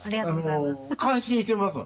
感心してますわ。